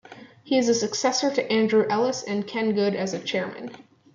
He is the successor to Andrew Ellis and Ken Good as Chairman.